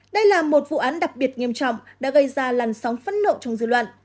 đây là một vụ án đặc biệt nghiêm trọng đã gây ra làn sóng phẫn nộ trong dư luận